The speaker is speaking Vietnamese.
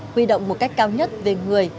huy động một cách cao nhất về người